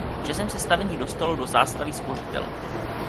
Časem se stavení dostalo do zástavy spořitelny.